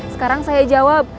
sekarang saya jawab